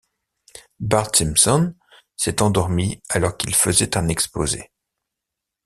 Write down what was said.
Bart Simpson s'est endormi alors qu'il faisait un exposé.